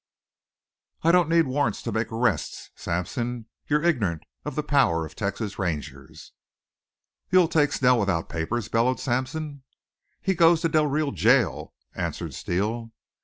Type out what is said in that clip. "I don't need warrants to make arrests. Sampson, you're ignorant of the power of Texas Rangers." "You'll take Snell without papers?" bellowed Sampson. "He goes to Del Rio to jail," answered Steele.